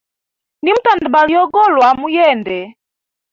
Nimu tandabala yogolwa mu yende.